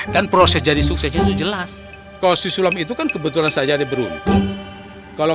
dan proses jadi suksesnya jelas kau sisulam itu kan kebetulan saja di beruntung kalau